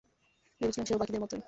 ভেবেছিলাম সে-ও বাকিদের মতোই।